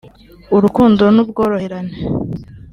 urukundo n’ubworoherane